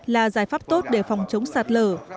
là giải pháp tốt để phòng chống sạt lở